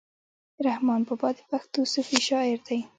رحمان بابا د پښتو صوفي شاعر دی.